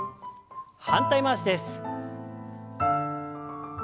反対回しです。